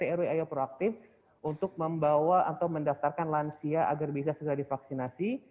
saya trw ayo proaktif untuk membawa atau mendaftarkan lansia agar bisa segera divaksinasi